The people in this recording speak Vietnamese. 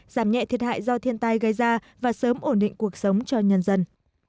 giảm nhẹ thiệt hại do thiên tai gây ra và sớm ổn định cuộc sống cho nhân dân